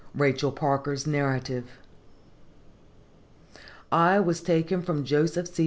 Rachel Parker's Narrative. "I was taken from Joseph C.